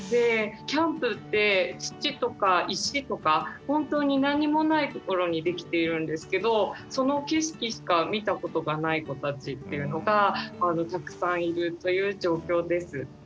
キャンプって土とか石とか本当に何もないところに出来ているんですけどその景色しか見たことがない子たちっていうのがたくさんいるという状況です。